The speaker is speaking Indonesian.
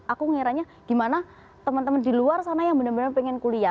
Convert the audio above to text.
aku ngiranya gimana teman teman di luar sana yang benar benar pengen kuliah